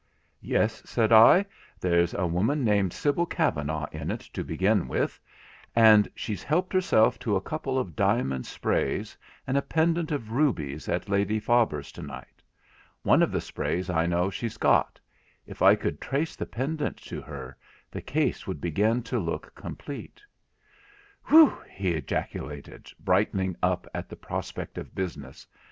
'Yes,' said I, 'there's a woman named Sibyl Kavanagh in it to begin with, and she's helped herself to a couple of diamond sprays, and a pendant of rubies at Lady Faber's to night. One of the sprays I know she's got; if I could trace the pendant to her, the case would begin to look complete.' 'Whew!' he ejaculated, brightening up at the prospect of business.